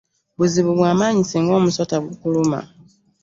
Buzibu bwamaanyi singa omusota gukuluma.